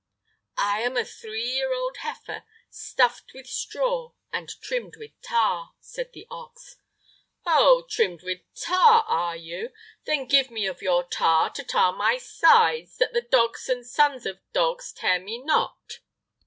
"I am a three year old heifer, stuffed with straw and trimmed with tar," said the ox. "Oh, trimmed with tar, are you? Then give me of your tar to tar my sides, that the dogs and the sons of dogs tear me not!"